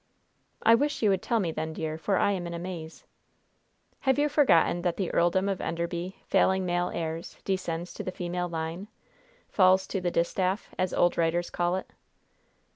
"I wish you would tell me, then, dear, for I am in a maze." "Have you forgotten that the Earldom of Enderby, failing male heirs, descends to the female line? 'falls to the distaff,' as old writers call it?"